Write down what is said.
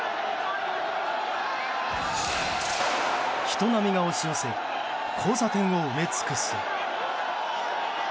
人並みが押し寄せ交差点を埋め尽くす。